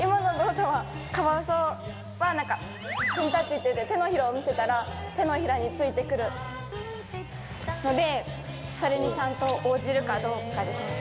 カワウソはフンタッチって言って、手のひらを見せたら手のひらについてくるので、それにちゃんと応じるかどうかですね。